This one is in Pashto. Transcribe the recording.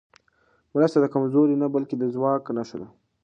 مرسته د کمزورۍ نه، بلکې د ځواک نښه ده.